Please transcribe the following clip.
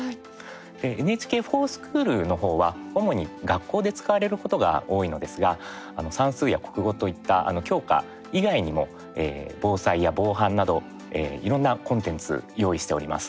で、「ＮＨＫｆｏｒＳｃｈｏｏｌ」の方は主に学校で使われることが多いのですが、算数や国語といった教科以外にも防災や防犯など、いろんなコンテンツ用意しております。